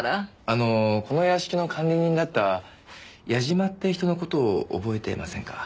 あのこの屋敷の管理人だった矢嶋って人の事を覚えていませんか？